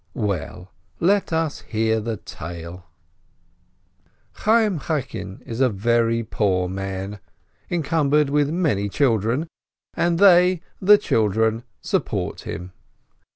Well, let us hear the tale ! Chayyim Chaikin is a very poor man, encumbered with many children, and they, the children, support him.